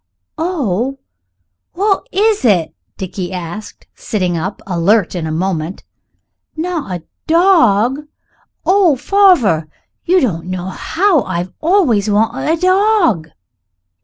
"Oh! what is it?" Dickie asked, sitting up, alert in a moment; "not a dawg? Oh! farver, you don't know how I've always wanted a dawg."